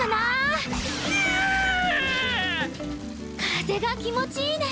風が気持ちいいね！